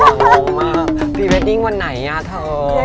โอ้มากพี่เว็บดิ้งวันไหนอะเถอะ